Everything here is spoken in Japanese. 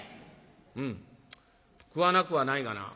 「うん食わなくはないがな」。